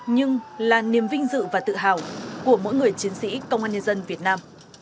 nhưng là niềm vinh dự và tự hào của mỗi người chiến sĩ công an nhân dân việt nam